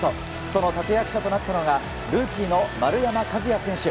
その立役者となったのがルーキーの丸山和郁選手。